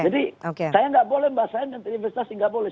jadi saya nggak boleh mbak saya menteri investasi nggak boleh